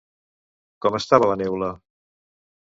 Com estava la neula?